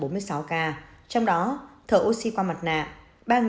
trong đó thở oxy qua mặt nạ ba bốn trăm một mươi tám ca